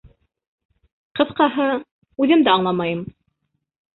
Ҡыҫҡаһы, үҙем дә аңламайым.